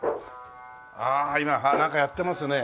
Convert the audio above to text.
ああ今なんかやってますね。